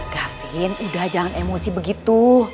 kavin udah jangan emosi begitu